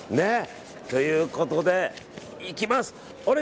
ということでいきます。